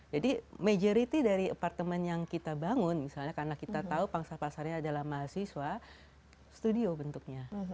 jadi majority dari apartemen yang kita bangun misalnya karena kita tahu pangsa pasarnya adalah mahasiswa studio bentuknya